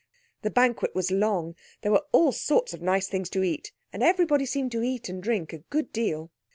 The banquet was long; there were all sorts of nice things to eat, and everybody seemed to eat and drink a good deal.